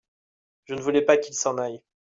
Je ne voulais pas qu'il s'en aille.